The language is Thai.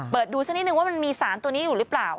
ดูสักนิดนึงว่ามันมีสารตัวนี้อยู่หรือเปล่า